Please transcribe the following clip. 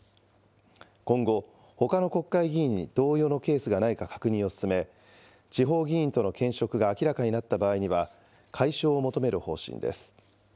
今後、ほかの国会議員に同様のケースがないか確認を進め、地方議員との兼職が明らかになった場合には、解消を求める方針です。